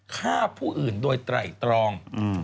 ฆ่าผู้อื่นโดยไตรตรอง